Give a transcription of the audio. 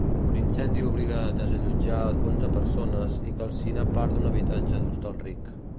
Un incendi obliga desallotjar onze persones i calcina part d'un habitatge d'Hostalric.